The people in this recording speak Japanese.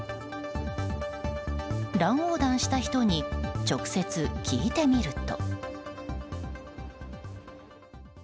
乱横断した人に直接、聞いてみると。